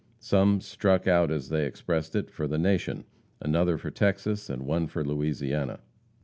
Some "struck out," as they expressed it, for the Nation, another for Texas, and one for Louisiana.